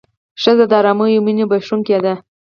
ښځه د ارامۍ او مینې بښونکې ده.